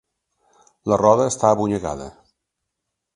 La roda està abonyegada.